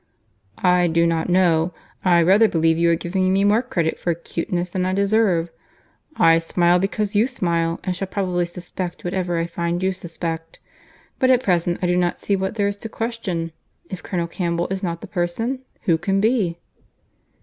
"I do not know. I rather believe you are giving me more credit for acuteness than I deserve. I smile because you smile, and shall probably suspect whatever I find you suspect; but at present I do not see what there is to question. If Colonel Campbell is not the person, who can be?"